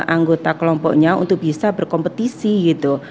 anggota kelompoknya untuk bisa berkompetisi gitu